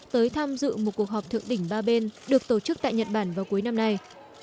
tới tham dự một cuộc họp thượng đỉnh ba bên được tổ chức tại nhật bản vào cuối năm nay